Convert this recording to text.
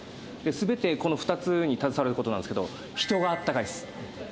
全てこの２つに携わることなんですけど人が温かいです。